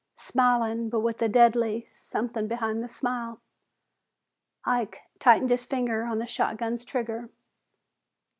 Smiling, but with a deadly something behind the smile, Ike tightened his finger on the shotgun's trigger.